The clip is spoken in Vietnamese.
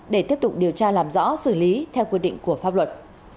để tiếp tục điều tra làm rõ xử lý theo quy định của pháp luật